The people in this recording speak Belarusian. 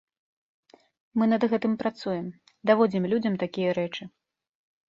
Мы над гэтым працуем, даводзім людзям такія рэчы.